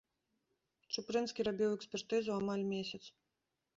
Чупрынскі рабіў экспертызу амаль месяц.